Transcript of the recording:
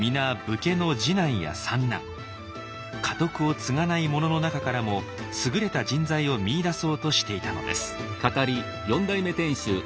家督を継がない者の中からも優れた人材を見いだそうとしていたのです。